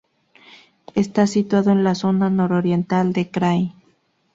Está situado en la zona nororiental del krai.